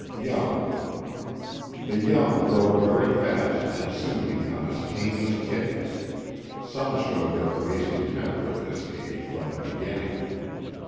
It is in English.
19.ŌĆöYoung. The young grow very fast and soon become as tame as kittens, some show their amazing temper at this age, from the beginning.